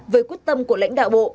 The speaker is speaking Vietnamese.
với quốc tâm của lãnh đạo bộ